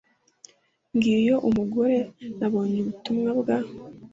Ngiyo umugore nabonye ubutumwa bwa